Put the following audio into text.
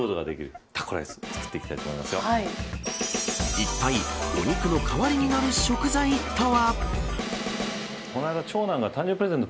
いったいお肉の代わりになる食材とは。